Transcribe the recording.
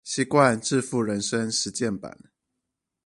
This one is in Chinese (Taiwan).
習慣致富人生實踐版